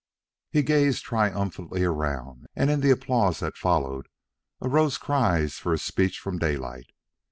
He gazed triumphantly around, and in the applause that followed arose cries for a speech from Daylight.